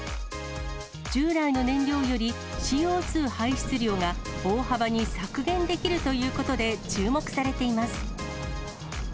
従来の燃料よりＣＯ２排出量が大幅に削減できるということで、注目されています。